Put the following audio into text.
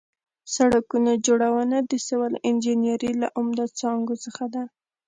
سړک جوړونه د سیول انجنیري له عمده څانګو څخه ده